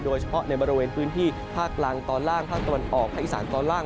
โดยเฉพาะในบริเวณพื้นที่ภาคกลางตอนล่างภาคตะวันออกภาคอีสานตอนล่าง